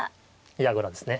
矢倉ですね。